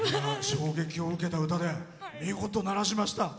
衝撃を受けた歌で見事、鳴らしました。